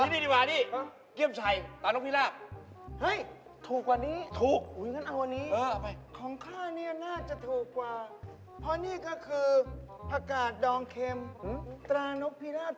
นี่ดีว่านี่เกลี้ยมชัยตานกพิราบ